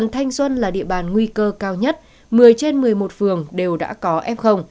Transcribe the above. thanh xuân là địa bàn nguy cơ cao nhất một mươi trên một mươi một phường đều đã có f